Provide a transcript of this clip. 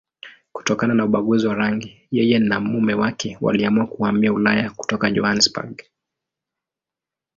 Kutokana na ubaguzi wa rangi, yeye na mume wake waliamua kuhamia Ulaya kutoka Johannesburg.